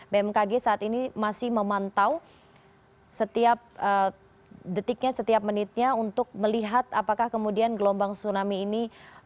bmkg saat ini masih memantau setiap detiknya setiap menitnya untuk melihat apakah kemudian gelombang tsunami ini